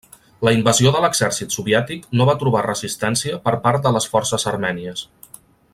La invasió de l'exèrcit soviètic no va trobar resistència per part de les forces armènies.